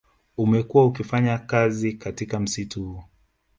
Umekuwa ukifanya kazi katika msitu huu